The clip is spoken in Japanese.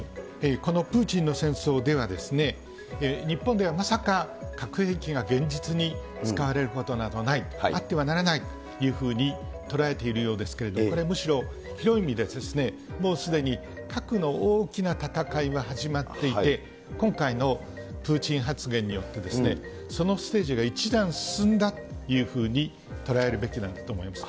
このプーチンの戦争では、日本ではまさか、核兵器が現実に使われることなどない、あってはならないというふうに捉えているようですけれど、これむしろ、広い意味で、もうすでに核の大きな戦いは始まっていて、今回のプーチン発言によって、そのステージが１段進んだというふうに捉えるべきなんだと思います。